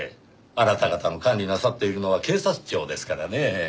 あなた方の管理なさっているのは警察庁ですからねぇ。